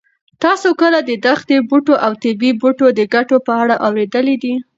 تاسو کله د دښتي بوټو او طبي بوټو د ګټو په اړه اورېدلي دي؟